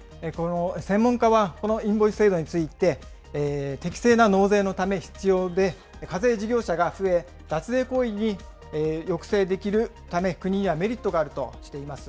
専門家は、このインボイス制度について、適正な納税のため必要で、課税事業者が増え、脱税行為に抑制できるため、国にはメリットがあるとしています。